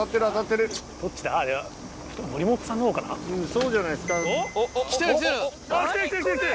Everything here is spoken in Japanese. そうじゃないですか。